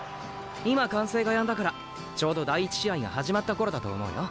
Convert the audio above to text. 今歓声がやんだからちょうど第１試合が始まった頃だと思うよ。